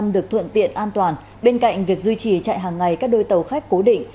được thuận tiện an toàn bên cạnh việc duy trì chạy hàng ngày các đôi tàu khách cố định